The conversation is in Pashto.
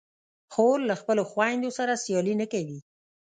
خور له خپلو خویندو سره سیالي نه کوي.